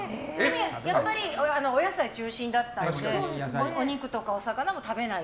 やっぱりお野菜中心だったのでお肉とかお魚も食べない？